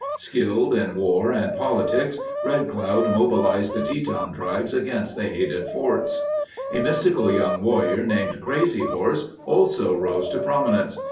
Skilled in war and politics, Red Cloud mobilized the Teton tribes against the hated forts. A mystical young warrior named Crazy Horse also rose to prominence.